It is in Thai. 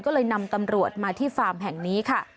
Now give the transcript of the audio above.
ก็เลยนำตำรวจมาที่ฟาร์มแห่งนี้ค่ะ